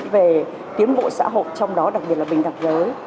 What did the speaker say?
về tiến bộ xã hội trong đó đặc biệt là bình đẳng giới